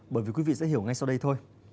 bởi vì quý vị sẽ hiểu ngay sau đây thôi